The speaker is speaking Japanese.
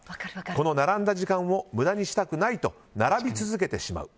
この並んだ時間を無駄にしたくないと並び続けてしまう。